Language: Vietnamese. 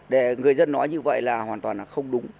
để người dân nói như vậy là hoàn toàn là không đúng